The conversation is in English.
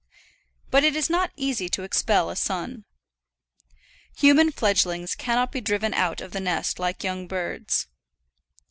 But it is not easy to expel a son. Human fledglings cannot be driven out of the nest like young birds.